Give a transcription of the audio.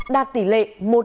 đạt tỷ lệ một trăm linh